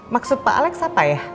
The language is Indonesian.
maksud pak alex apa ya